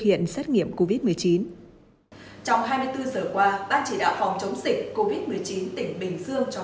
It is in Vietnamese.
hiện xét nghiệm covid một mươi chín trong hai mươi bốn giờ qua ban chỉ đạo phòng chống dịch covid một mươi chín tỉnh bình dương cho